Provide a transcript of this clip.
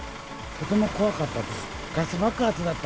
とても怖かったです。